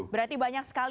berarti banyak sekali ya